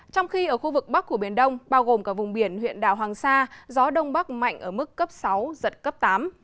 trong khi ở khu vực bắc của biển đông bao gồm cả vùng biển huyện đảo hoàng sa gió đông bắc mạnh ở mức cấp sáu giật cấp tám